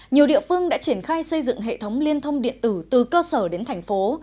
nhiều địa phương đã triển khai xây dựng hệ thống liên thông điện tử từ cơ sở đến thành phố